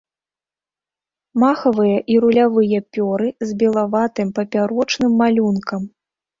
Махавыя і рулявыя пёры з белаватым папярочным малюнкам.